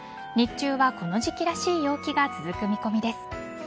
日中はこの時期らしい陽気が続く見込みです。